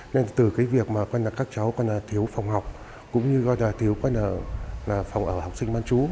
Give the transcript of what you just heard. nên từ việc các cháu thiếu phòng học cũng như thiếu phòng ở học sinh bán chú